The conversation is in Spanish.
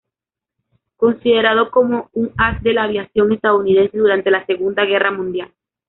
Considerado como un as de la aviación estadounidense durante la Segunda Guerra Mundial.